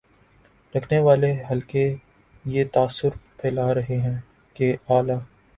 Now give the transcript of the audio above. رکھنے والے حلقے یہ تاثر پھیلا رہے ہیں کہ اعلی